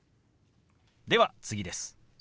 では次です。